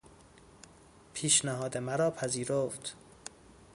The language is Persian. پیشنهاد مرا پذیرفت.